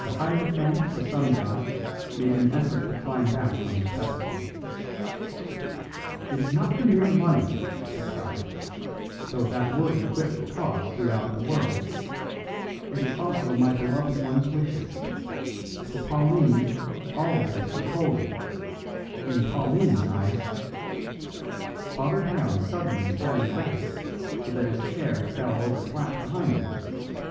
The hierophant of the sun god made an effort to climb back on his pedestal. "It is not the mere money," he cried, "though that would equip the cause throughout the world. It is also my beloved one's wishes. To Pauline all this was holy. In Pauline's eyes " Father Brown suddenly sprang erect, so that his chair fell over flat behind him.